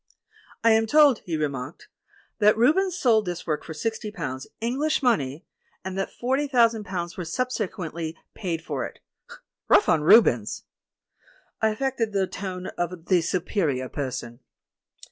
"I am told," he remarked, "that Rubens sold this work for sixty pounds, English money, and that forty thousand pounds were subsequently paid for it. Kough on Rubens!" I affected the tone of the Superior Person.